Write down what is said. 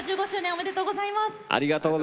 ありがとうございます。